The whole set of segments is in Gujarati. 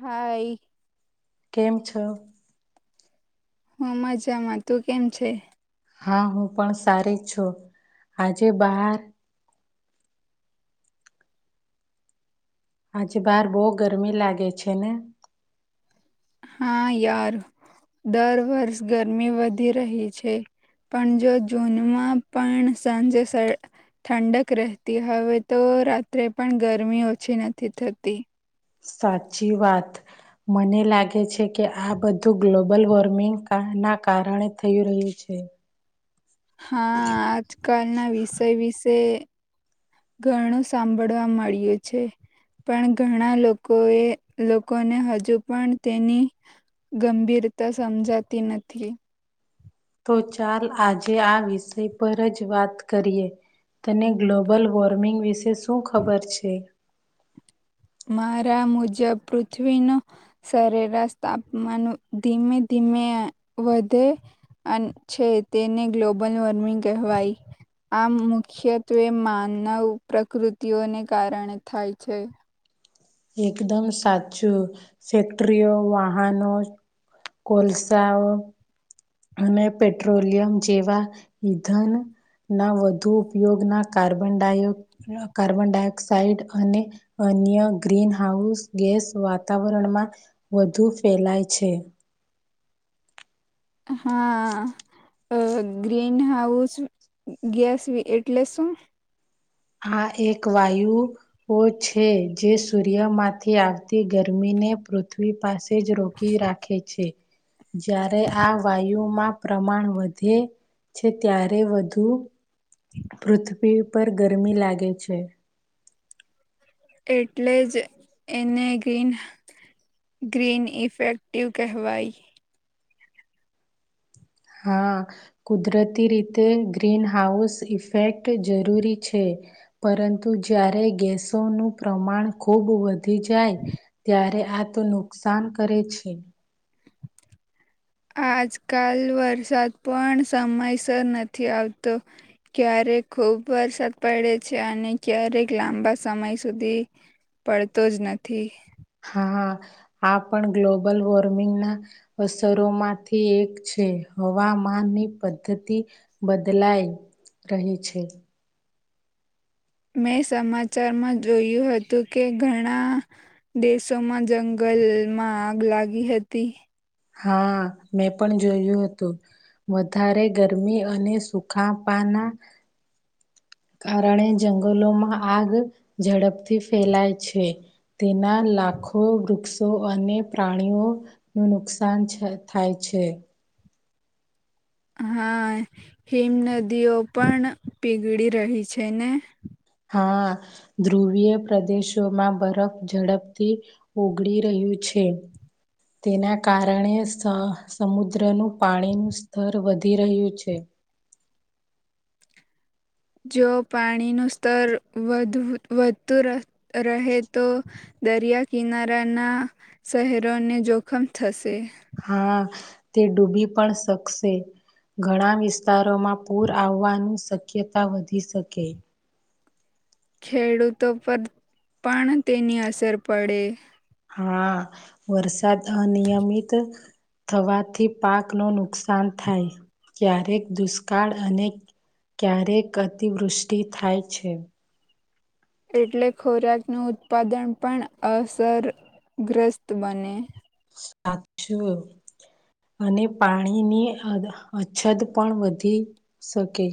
હા એ. કેમ છો? હું મજામાં. તું કેમ છે? હા હું પણ સારી છું. આજે બહાર આજે બહાર બહુ ગરમી લાગે છે ને? હા યાર દર વર્ષ ગરમી વધી રહી છે. પણ જો જૂનમાં પણ સાંજે ઠંડક રહેતી. હવે તો રાત્રે પણ ગરમી ઓછી નથી થતી. સાચી વાત. મને લાગે છે કે આ બધું ગ્લોબલ વોર્મિંગ એના કારણે થયું રહ્યું છે. હા આજકાલના વિષય વિશે ઘણું સાંભળવા મળ્યું છે. પણ ઘણા લોકોએ લોકોને હજુ પણ તેની ગંભીરતા સમજાતી નથી. તો ચાલ આજે આ વિષય પર જ વાત કરીએ. તને ગ્લોબલ વોર્મિંગ વિશે શું ખબર છે? મારા મુજબ પૃથ્વીનું સરેરાશ તાપમાન ધીમે ધીમે વધે છે તેને ગ્લોબલ વોર્મિંગ કહેવાય. આમ મુખ્યત્વે માનવ પ્રકૃતિઓને કારણે થાય છે. એકદમ સાચું ફેક્ટરીઓ વાહનો કોલસાઓ, અને પેટ્રોલિયમ જેવા ઈધન ના વધુ ઉપયોગના કાર્બનાય કાર્બન ડાયોક્સાઇડ અને અન્ય ગ્રીનહાઉસ ગેસ વાતાવરણમાં વધુ ફેલાય છે. હા. અ ગ્રીન હાઉસ ગેસ એટલે શું? આ એક વાયુઓ છે જે સૂર્યમાંથી આવતી ગરમીની ને પૃથ્વી પાસે જ રોકી રાખે છે જ્યારે આ વાયુમાં પ્રમાણ વધે છે ત્યારે વધુ પૃથ્વી પર ગરમી લાગે છે. એટલે જ એને ગ્રીન ગ્રીન ઇફેક્ટિવ કહેવાય. હા કુદરતી રીતે ગ્રીનહાઉસ ઇફેક્ટ જરૂર છે. પરંતુ જ્યારે ગેસોનું પ્રમાણ ખુબ વધી જાય ત્યારે અરે આ તો નુકસાન કરે છે. આજકાલ વરસાદ પણ સમયસર નથી આવતો ક્યારે ક્યારે ખુબ વરસાદ પડે છે અને ક્યારેક લાંબા સમય સુધી પડતો જ નથી. હા આ પણ ગ્લોબલ વોર્મિંગના અસરોમાંથી એક હવામાનની પદ્ધતિ બદલાઈ રહી છે. મેં સમાચારમાં જોયું હતું કે ઘણા દેશોમાં જંગલ ગલમાં આગ લાગી હતી. હા મેં પણ જોયું હતું વધારે ગરમી અને સુખા પાન અના કારણે જંગલોમાં આગ ઝડપથી ફેલાય છે. તેના લ લાખો વૃક્ષો અને પ્રાણીઓનું નુકસાન છ થાય છે. હા હિમ નદીઓ પણ પીગળી રહી છે ને? હા ધ્રુવીય પ્રદેશોમાં બરફ ઝડપથી ઓગળી રહ્યું છ છે. તેના કારણે સ સમુદ્રનું પાણીનું સ્થર વધી રહ્યું છે. [unintelligible] જો પાણીનું સ્તર વધ વધતું ર રહે તો દરિયા કિનારાના શહેરોને જોખમ થશે. હા તે ડૂબી પણ શકશે. ઘણા વિસ્તાર તારોમાં પૂર આવવાનું શક્યતા વધી શકે. ખેડૂતો પર પણ તેની અસર પડે. હા વરસાદ અનિયમિત થવાથી પાકનો નુકસાન થાય. ક્યારેક દુષ્કાળ અને ક્યારેક અતિવૃષ્ટિ થાય છે. એટલે ખોરાકનું ઉત્પાદન પણ અસર ગ્રસ્ત બને. સાચું. અને પાણીની અદ અછત પણ વધી શકે.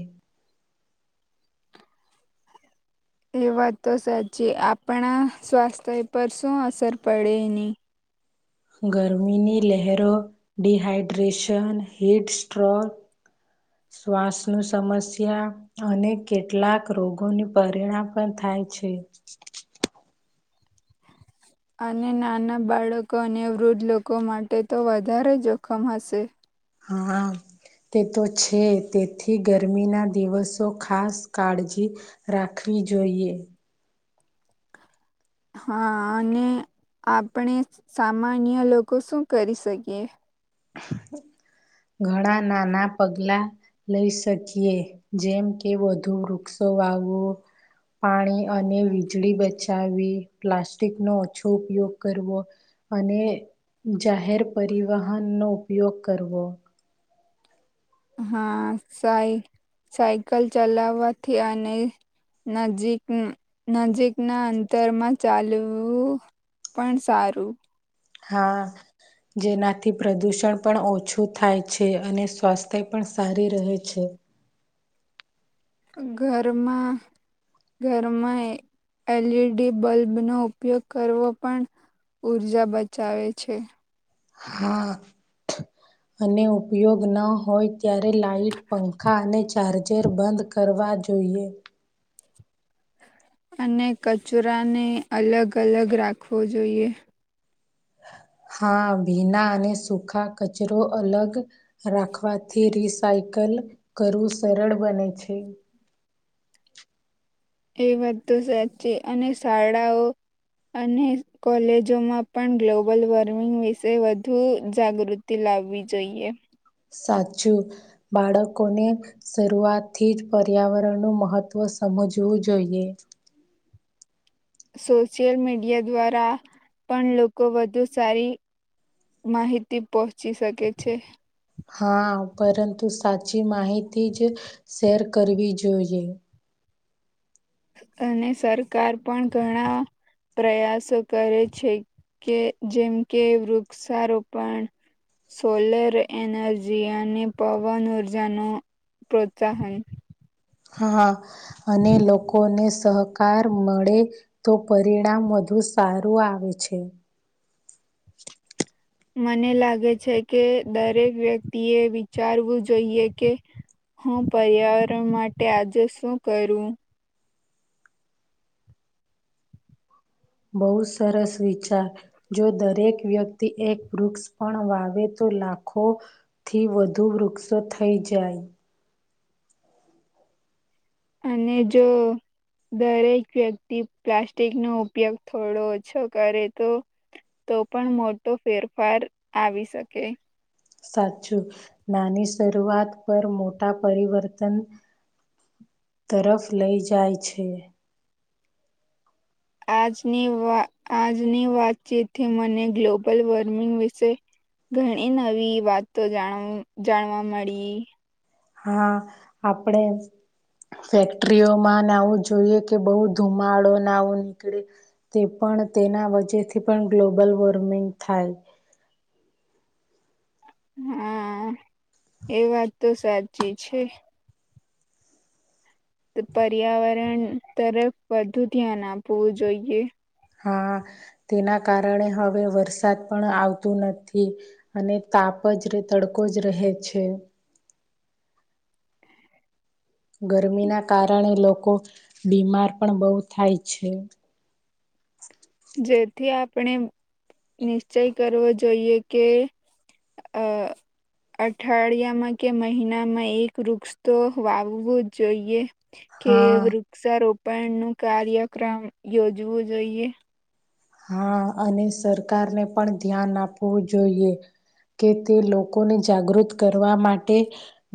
એ વાત તો સાચી આપણા સ્વાસ્થ્ય પર શું અસર પડે એની? ગરમીની લહેરો ડિહાઈડ્રેશન, હિટસ્ટ્રોક શ્વાસનો સમસ્યા અને કેટલાક રોગોની પરિણામ પણ થાય થાય છે. [inaudible] અને નાના બાળકો અને વૃદ્ધ લોકો માટે તો વધારે જોખમ હશે? હા તે તો છે. તેથી ગરમીના દિવસો ખાસ કાળજી રાખવી વી જોઈએ. હા અને આપણે સામાન્ય લોકો શું કરી શકીએ? [inaudible] ઘણા નાના પગલા લઈ શકીએ. જેમ કે વધુ વૃક્ષો વાવો પાણી અને વીજળી બચાવવી, પ્લાસ્ટિકનો ઓછો ઉપયોગ કરવો, અને જાહેર પરિવહનનો ઉપયોગ કરવો. હા સાઈ સાયકલ ચલાવવાથી અને નજીક નજીકના અંતરમાં ચાલવું. પણ સારું હા જેનાથી પ્રદૂષણ પણ ઓછું થાય છે, અને સ્વાસ્થ્ય પણ સારી રહે છે. ઘરમાં ઘરમાં એ એલીડી બલ્બનો ઉપયોગ કરવો પણ ઉર્જા બચાવે છે. હા અને ઉપયોગ ન હોય ત્યારે લાઈટ, પંખા અને ચાર્જર બંધ કર કરવા જોઈએ. અને કચરાને અલગ અલગ રાખવો જોઈએ. [inaudible] હા ભીના અને સુખા કચરો અલગ રાખવાથી રિસાયકલ કલ કરવું સર સરળ બન છે એ બધું સાચી અને શાળાઓ અને કોલેજોમાં પણ ગ્લોબલ વોર્મિંગ વિશે વધુ જાગૃતિ લા આવવી જોઈએ સાચું બાળકોને શરૂઆતથી જ પર્યાવરણનું મહત્વ સમ મજવું જોઈએ સોશિયલ મીડિયા દ્વારા પણ લોકો વધુ સારી માહિતી પહોંચી શકે છે હા પરંતુ સાચી માહિતી જ શેર કરવી જોઈએ અને સરકાર પણ ઘણા પ્રયાસો કરે છે કે જેમ કે વૃક્ષારોપણ સોલર એનર્જી અને પવન ઉર્જાનો પ્રોત્સાહન હા અને લોકોને સહકાર મળે તો પરિણામ વધુ સારું આવે છે. [inaudible] મને લાગે છે. કે દરેક વ્યક્તિ એ વિચારવું જોઈએ કે હું પર્યાવરણ માટે આજે શું કરું. બહુ સરસ વિચાર જો દરેક વ્યક્તિ એક વૃક્ષ પણ વાવે તો લાખો થી વધુ વૃક્ષો થઈ જાય. અને જો દરેક વ્યક્તિ પ્લાસ્ટિક નો ઉપયોગ થોડો ઓછો કરે તો તો પણ મોટો ફેરફાર આવી શકે. સાચું નાની શરૂઆત પર મોટા પરિવર્તન તરફ લઈ જાય છે. આજની વા આજની વાતચીતથી મને ગ્લોબલ વોર્મિંગ વિશે ઘણી નવી વાતોણ જાણવા મળી હા આપડે ફેક્ટરીઓમાંને આવું જોઈએ કે બહુ ધુમાડો ના આવું નીકળે તે પણ પણ તેના વે થી પણ ગ્લોબલ વોર્મિંગ થાય હા એ વાત તો સાચી છે. તો પર્યાવરણ તરફ વધુ ધ્યાન આપવું જોઈએ હા તેના કારણે હવે વરસાદ પણ આવતું નથી અને તાપ કાપજ ર તડકો જ રહે છે. ગરમી ના કારણે લોકો બીમાર પણ બહુ થાય છે જેથી આપણે નિશ્ચય કરવો જોઈએ કે અ અઠવાડિયામાં કે મહિનામાં એક વૃક્ષ તો વાવવું જોઈએ. કે હા વૃક્ષારોપણ નું કાર્યક્રમ યોજવું જોઈએ હા અને સરકારને પણ ધ્યાન આપવું જોઈએ. કે તે લોકોને જાગૃત કરવા માટે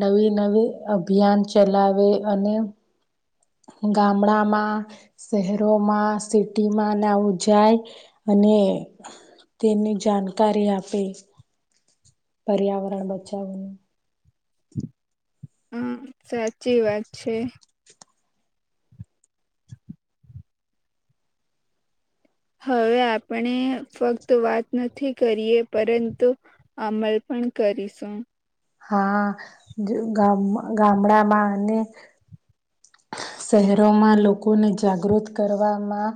નવી નવી અભિયાન ચલાવે આવે અને ગામડામાં શહેરોમાં સિટીમાં નાવું જાય અને અને તેની જાણકારી આપે પર્યાવરણ બચાવનું હમ સાચી વાત છે હવે આપણે ફક્ત વાત નથી કરીએ પરંતુ અમલ પણ પણ કરીશું હાામ ગામડામાં અને શહેરોમાં લોકોને જાગૃત કરવામાં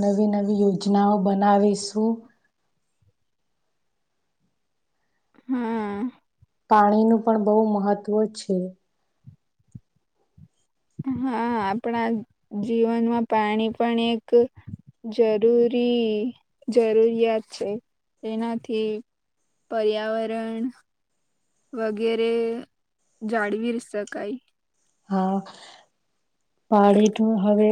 નવી નવી યોજનાઓ બનાવી દશું હા પાણીનુંું પણ બહુ મહત્ત્વ છે હ હા આપણા જીવનમાં પાણી પણ એક જરૂરી જરૂરિયાત છે એનાથી પર્યાવરણ વગેરે જાળવી ર શકાય હા પાણીનું હવે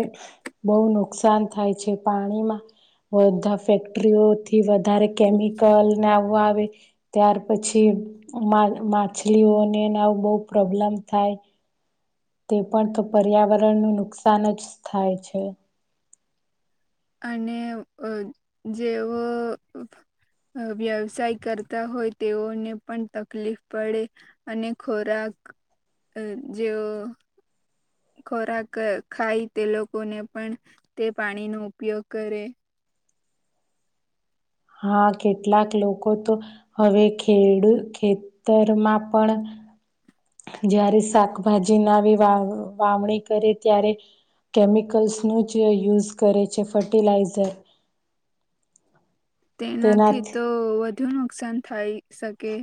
બહ નુકસાન થાય છે પાણીમાં બધા ફેક્ટરીઓથી વધારે કેમિકલ ને આવવા આવે ત્યાર પછી માછલીઓને બહ પ્રોબ્લેમ થાય તે પણ તો પર્યાવરણનું નુકસાન જ થાય છે અને જેવ વ્યવસાય કરતા હોય તેઓને પણ તકલીફ પડે અને ખોરાક [unintelligible] અ જેઓ ખોરાક ખાય તે લોકોને પણ તે પાણીનો ઉપયોગ કરે હા કેટલાક લોકો તો હવે ખેડ ખેતરમાં પણ જારે શાકભાજી ના આવી વા વાવણી કરે ત્યારે કેમિકલ્સ ન જ યુઝ કરે છે ફર્ટિલાઇઝર તેનાથી તો વધુ નુકસાન થાય શકે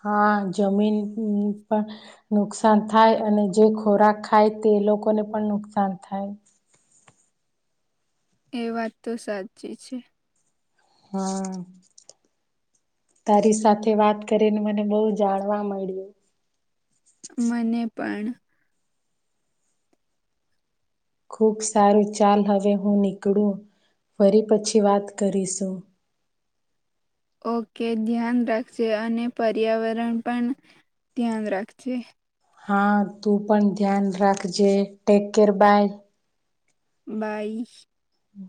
હા જમીન પણ નુકસાન થાય અને જે ખોરાક ખાય તે લોકો લોકોને પણ નુકસાન થાય એ વાત તો સાચી છે હા તારી સાથે વાત કરીને મને બહુ જાણવા મળ્યું મને પણ ખુબ સારું ચાલ હવે હું નીકળું ફરી પછી વાત કરીશું ઓકે ધ્યાન રાખજ અને પર્યાવરણ પણ ધ્યાન રાખજ હા તું પણ ધ્યાન રાખજે ટેક કેર બાય બઈ હમ